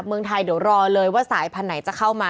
เมืองไทยเดี๋ยวรอเลยว่าสายพันธุ์ไหนจะเข้ามา